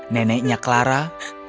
neneknya clara melihat heidi berpikir